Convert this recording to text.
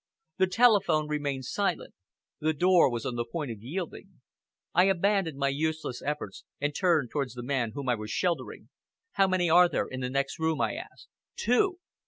The telephone remained silent. The door was on the point of yielding. I abandoned my useless efforts, and turned towards the man whom I was sheltering. "How many are there in the next room?" I asked. "Two!"